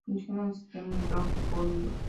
Funciona en el sistema Microsoft Windows.